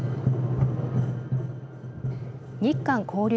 日韓交流